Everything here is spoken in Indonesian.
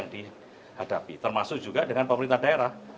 terhadapi termasuk juga dengan pemerintah daerah